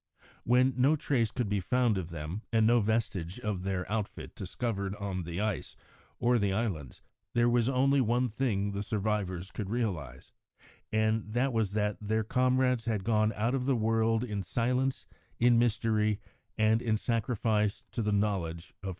When no trace could be found of them, and no vestige of their outfit discovered on the ice, or the islands, there was only one thing the survivors could realise, and that was that their comrades had gone out of the world in silence, in mystery, and in sacrifice to the knowledge of humanity.